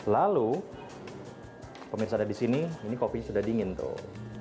lalu pemirsa ada di sini ini kopinya sudah dingin tuh